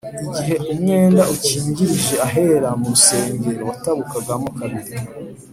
igihe umwenda ukingirije ahera mu rusengero watabukagamo kabiri